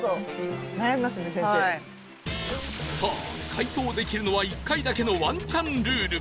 さあ解答できるのは１回だけのワンチャンルール